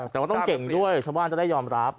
แต่ว่าต้องเก่งด้วยชาวบ้านจะได้ยอมรับ